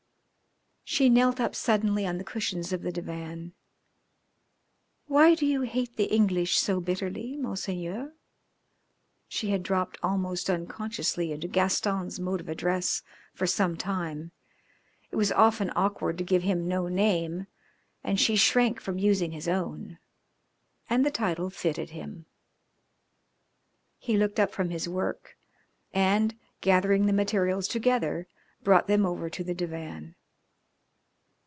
She knelt up suddenly on the cushions of the divan. "Why do you hate the English so bitterly, Monseigneur?" She had dropped almost unconsciously into Gaston's mode of address for some time; it was often awkward to give him no name, and she shrank from using his own; and the title fitted him. He looked up from his work, and, gathering the materials together, brought them over to the divan.